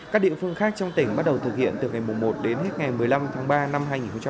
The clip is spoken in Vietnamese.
các địa phương khác trong tỉnh bắt đầu thực hiện từ ngày một đến hết ngày một mươi năm tháng ba năm hai nghìn hai mươi